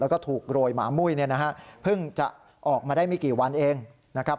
แล้วก็ถูกโรยหมามุ้ยเนี่ยนะฮะเพิ่งจะออกมาได้ไม่กี่วันเองนะครับ